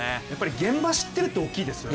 現場を知っているって大きいですよね。